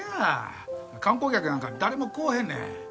観光客なんか誰も来おへんねん。